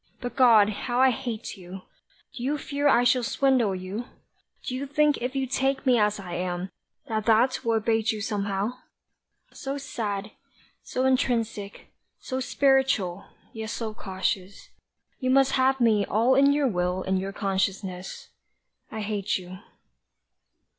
But God, how I hate you! Do you fear I shall swindle you? Do you think if you take me as I am, that that will abate you Somehow? so sad, so intrinsic, so spiritual, yet so cautious, you Must have me all in your will and your consciousness I hate you.